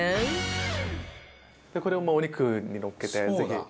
これをもうお肉にのっけてぜひ。